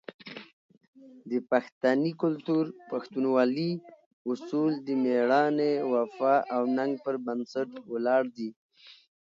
د پښتني کلتور "پښتونولي" اصول د مېړانې، وفا او ننګ پر بنسټ ولاړ دي.